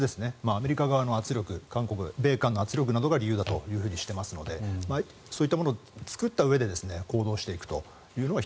アメリカ側の圧力米韓の圧力などが理由だとしていますのでそういったものを作ったうえで行動していくというのが